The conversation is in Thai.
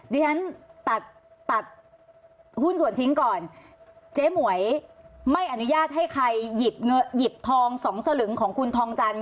ดิฉันตัดตัดหุ้นส่วนทิ้งก่อนเจ๊หมวยไม่อนุญาตให้ใครหยิบทองสองสลึงของคุณทองจันท